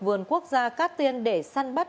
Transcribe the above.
vườn quốc gia cát tiên để săn bắt